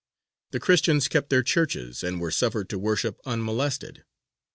The Christians kept their churches, and were suffered to worship unmolested.